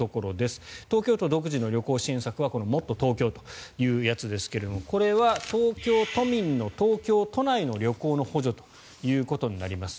東京都独自の旅行支援はこのもっとＴｏｋｙｏというやつですがこれは東京都民の東京都内の旅行の補助ということになります。